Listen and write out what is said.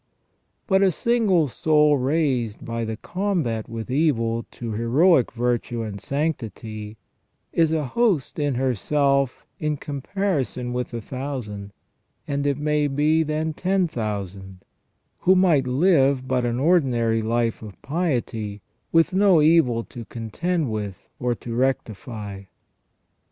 But a single soul raised by the combat with evil to heroic virtue and sanctity is a host in herself in comparison with a thousand, and it may be than ten thousand, who might live but an ordinary life of piety, with no evil to contend with or to rectify.